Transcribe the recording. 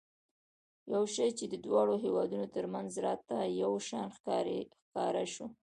یو شی چې د دواړو هېوادونو ترمنځ راته یو شان ښکاره شو.